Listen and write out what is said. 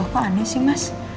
kok aneh sih mas